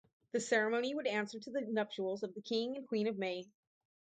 The ceremony would answer to the nuptials of the King and Queen of May.